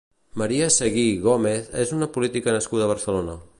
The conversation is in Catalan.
María Seguí Gómez és una política nascuda a Barcelona.